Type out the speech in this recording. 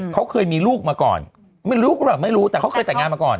เขาเคยมีลูกมาก่อนไม่รู้หรือเปล่าไม่รู้แต่เขาเคยแต่งงานมาก่อน